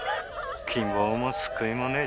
希望も救いもねえ